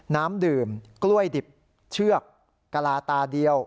น้ำดื่มกล้วยดิบเชือกกะลาตาเดียว